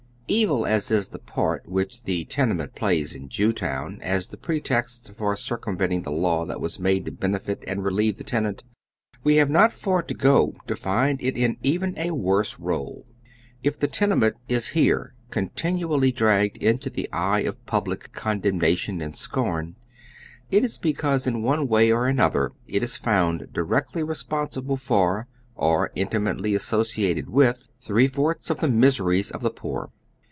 EVIL as the part is which the tenement plays in Jew town as the pretext for circumventing the law that was made to benefit and relieve the tenant, we have not far to go to find it in even a worse role. If the tenement is here continually dragged into the eye of public con demnation and scorn, it is because in one way or another it is found directly responsible for, or intimately associ ated with, three fourths of the miseries of the poor.